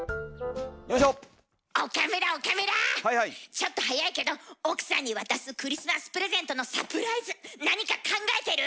ちょっと早いけど奥さんに渡すクリスマスプレゼントのサプライズ何か考えてる？